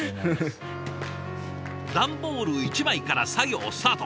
段ボール１枚から作業スタート。